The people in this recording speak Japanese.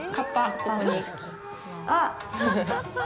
あっ。